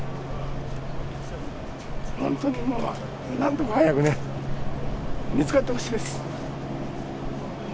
本当にもう、今はなんとか早くね、見つかってほしいです。